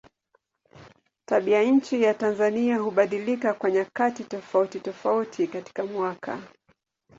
Tabianchi ya Tanzania hubadilika kwa nyakati tofautitofauti katika mwaka.